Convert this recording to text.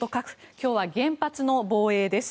今日は原発の防衛です。